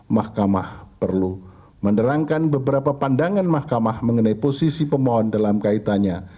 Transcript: mahkamah perlu menerangkan beberapa pandangan mahkamah mengenai posisi pemohon dalam kaitannya